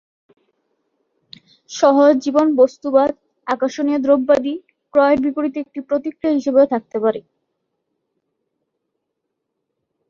সহজ জীবন বস্তুবাদ, আকর্ষণীয় দ্রব্যাদি ক্রয়ের বিপরীতে একটি প্রতিক্রিয়া হিসেবেও থাকতে পারে।